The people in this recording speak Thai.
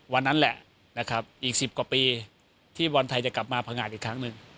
วันนั้นแหละนะครับอีก๑๐กว่าปีที่บอลไทยจะกลับมาพังงานอีกครั้งหนึ่ง